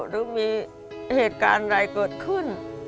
หรือมีเหตุการณ์อะไรเกิดขึ้น